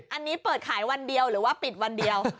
อันนี้เปิดขายวันเดียวหรือว่าปิดวันเดียว